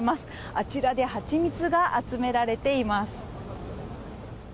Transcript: あちらでハチミツが集められています。